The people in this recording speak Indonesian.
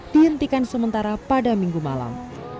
dihentikan sementara pada minggu malam